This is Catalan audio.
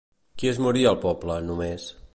Qui es moria al poble, només?